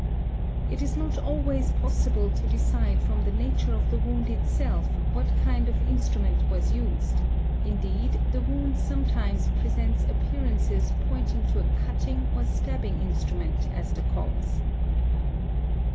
It is not always possible to decide from the nature of the wound itself what kind of instrument was used; indeed the wound sometimes — presents appearances pointing to a cutting or stabbing instrument as the cause.